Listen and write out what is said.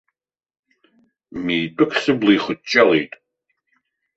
Митәык сыбла ихыҷҷалеит!